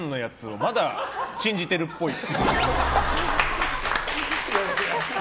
まだ信じてるっぽいって。